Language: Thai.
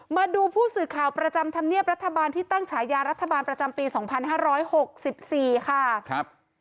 มาดูผู้สื่อข่าวประจำธรรมเนียบรัฐบาลที่ตั้งฉายารัฐบาลประจำปี๒๕๖๔ค่ะครับ